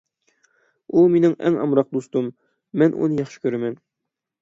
ئۇ مېنىڭ ئەڭ ئامراق دوستۇم. مەن ئۇنى ياخشى كۆرىمەن.